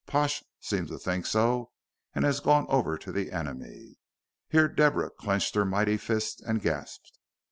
Pash seems to think so and has gone over to the enemy" here Deborah clenched her mighty fists and gasped.